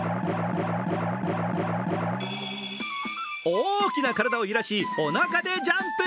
大きな体を揺らし、おなかでジャンプ。